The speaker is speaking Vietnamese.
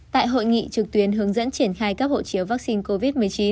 tại hội nghị trực tuyến hướng dẫn triển khai cấp hộ chiếu vaccine covid một mươi chín